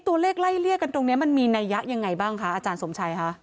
ไล่เลี่ยกันตรงนี้มันมีนัยยะยังไงบ้างคะอาจารย์สมชัยคะ